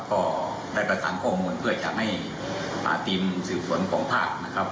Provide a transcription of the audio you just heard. ก็ได้ประสานข้อมูลเพื่อจะให้ทีมสืบสวนของภาคนะครับ